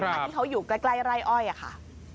ที่เขาอยู่ใกล้ไร่อ้อยค่ะ